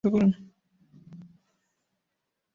তাঁর পুত্র Arthur Wrottesley baronet ও ব্যারোনি পদ অলংকৃত করেন।